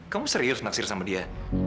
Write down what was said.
kamu serius naksir sama dia